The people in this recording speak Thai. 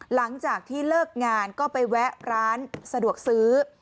หลังจากที่เลิกงานก็ไปแวะร้านสะดวกซื้อ